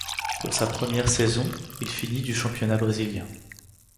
Pour sa première saison, il finit du championnat brésilien.